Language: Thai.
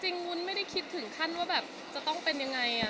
จริงวุ้นไม่ได้คิดถึงขั้นจะต้องเป็นยังไง